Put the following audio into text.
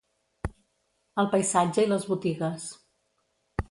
El paisatge i les botigues